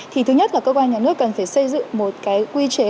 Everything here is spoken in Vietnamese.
thì thứ nhất là cơ quan nhà nước cần phải xây dựng một cái quy chế